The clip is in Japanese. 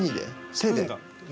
手で？